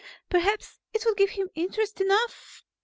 "Perhaps it would give him interest enough